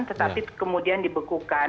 tetapi kemudian dibekukan